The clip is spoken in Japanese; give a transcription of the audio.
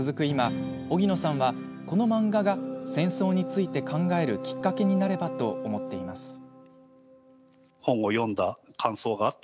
今荻野さんは、この漫画が戦争について考えるきっかけになればと思っています。